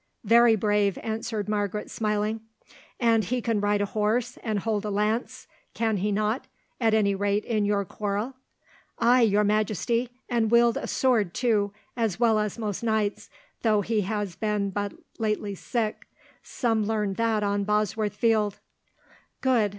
"Very brave," answered Margaret, smiling. "And he can ride a horse and hold a lance, can he not, at any rate in your quarrel?" "Aye, your Majesty, and wield a sword too, as well as most knights, though he has been but lately sick. Some learned that on Bosworth Field." "Good.